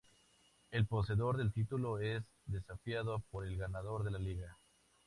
El poseedor del título es desafiado por el ganador de la liga.